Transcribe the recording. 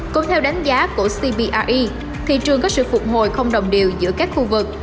cũng theo đánh giá của cbre thị trường có sự phục hồi không đồng điều giữa các khu vực